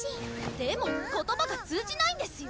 でも言葉が通じないんですよ？